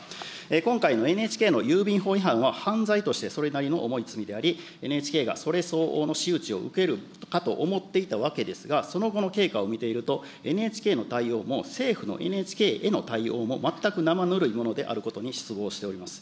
今回のＮＨＫの郵便法違反は犯罪としてそれなりの重い罪であり、ＮＨＫがそれ相応の仕打ちを受けるかと思っていたのですが、その後の経過を見ていると、ＮＨＫの対応も政府のＮＨＫへの対応も、全くなまぬるいものであることに失望しております。